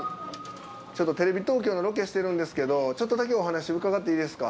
ちょっとテレビ東京のロケしてるんですけどちょっとだけお話伺っていいですか？